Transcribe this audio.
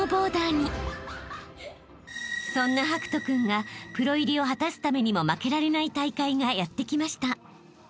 ［そんな博仁君がプロ入りを果たすためにも負けられない大会がやって来ました］